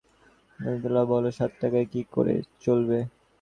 উতলা মতি বলল, সাত টাকায় কী করে চলবে?